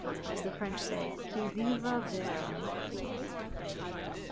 As the French say, "Qui vivra verra."